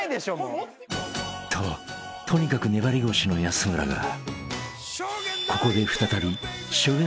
［ととにかく粘り腰の安村がここで］